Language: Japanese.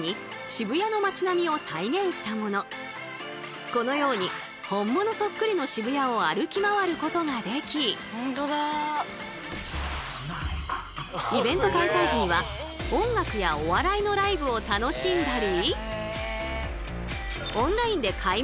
こちらはこのように本物そっくりの渋谷を歩き回ることができイベント開催時には音楽やお笑いのライブを楽しんだり。